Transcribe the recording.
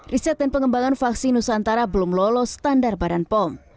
riset dan pengembangan vaksin nusantara belum lolos standar badan pom